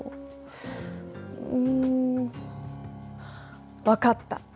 うん分かった。